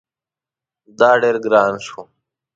دا ډیر ګران شو